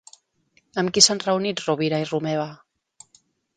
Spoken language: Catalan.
Amb qui s'han reunit Rovira i Romeva?